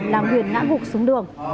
làm huyền ngã gục xuống đường